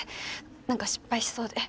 何か失敗しそうで。